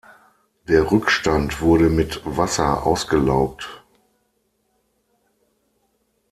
Der Rückstand wurde mit Wasser ausgelaugt.